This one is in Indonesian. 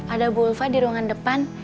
ada bu ulfa di ruangan depan